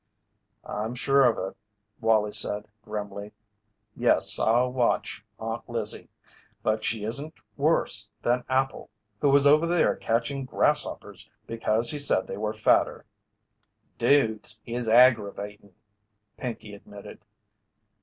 "I'm sure of it," Wallie said, grimly. "Yes, I'll watch Aunt Lizzie. But she isn't worse than Appel, who was over there catching grasshoppers because he said they were fatter." "Dudes is aggravatin'," Pinkey admitted.